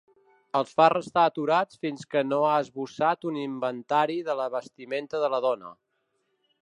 Els fa restar aturats fins que no ha esbossat un inventari de la vestimenta de la dona.